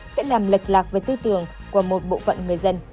sẽ nằm lệch lạc với tư tưởng của một bộ phận người dân